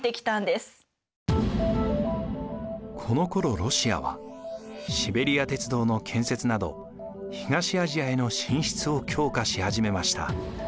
このころロシアはシベリア鉄道の建設など東アジアへの進出を強化し始めました。